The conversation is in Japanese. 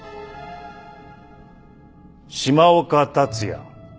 島岡達也。